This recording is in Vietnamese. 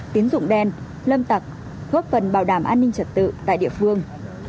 tín dụng đen lâm tặc góp phần bảo đảm an ninh trật tự tại địa phương